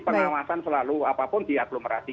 pengawasan selalu apapun di aglomerasi